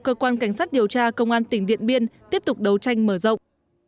cơ quan cảnh sát điều tra công an tỉnh điện biên tiếp tục đấu tranh mở rộng